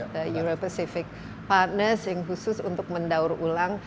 the euro pacific partners yang khusus untuk mendaur ulang